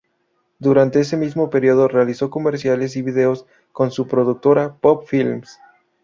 Durante ese mismo periodo, realizó comerciales y videos, con su productora Pop Films.